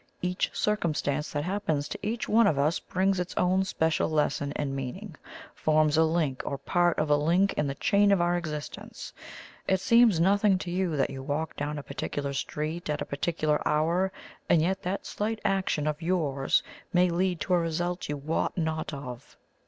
Each circumstance that happens to each one of us brings its own special lesson and meaning forms a link or part of a link in the chain of our existence. It seems nothing to you that you walk down a particular street at a particular hour, and yet that slight action of yours may lead to a result you wot not of.